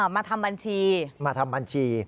มาทำบัญชี